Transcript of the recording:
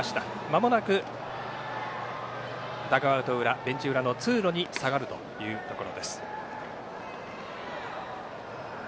まもなくダグアウト裏ベンチ裏の通路に下がるというところです。